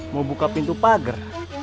mau buka pintu pagar